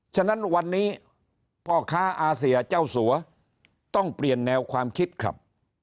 ฉะนั้นวันนี้พ่อค้าอาเซียเจ้าสัวต้องเปลี่ยนแนวความคิดครับ